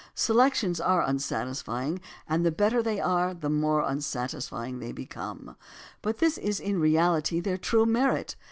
Selections are unsatisfjdng, and the better they are the more unsatisfying they become. But this is in reality their true merit.